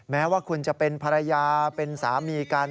แม้ว่าคุณจะเป็นภรรยาเป็นสามีกัน